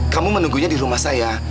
kamu menunggunya di rumah saya